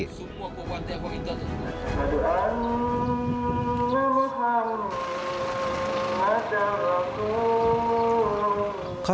สุขมัวกว่าเตะของอินเตอร์สุด